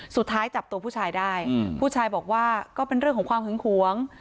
สุดท้ายจับตัวผู้ชายได้ผู้ชายบอกว่าก็เป็นเรื่องของความหึงหวง